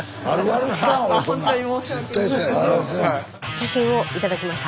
写真を頂きました。